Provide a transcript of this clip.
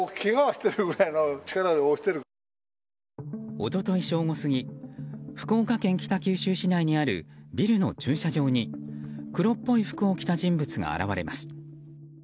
一昨日正午過ぎ福岡県北九州市内にあるビルの駐車場に黒っぽい服を着た人物が現れます。